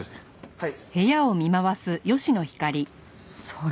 はい。